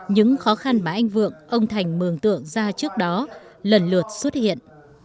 những khó khăn mà anh vượng ông thành mường tượng ra trước đó lần lượt xuất hiện